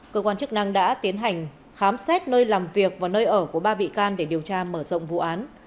cơ quan chức năng đã tiến hành khám xét nơi làm việc và nơi ở của ba bị can để điều tra mở rộng vụ án